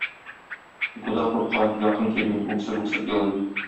Бу да курка, якын килми, үксеп-үксеп елый.